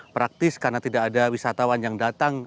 praktis karena tidak ada wisatawan yang datang